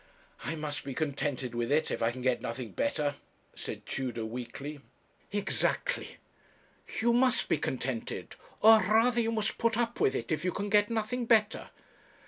'I must be contented with it, if I can get nothing better,' said Tudor, weakly. 'Exactly; you must be contented or rather you must put up with it if you can get nothing better.